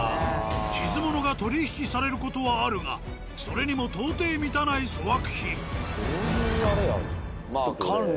傷モノが取り引きされる事はあるがそれにも到底満たない粗悪品。